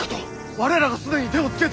我らが既に手をつけておる！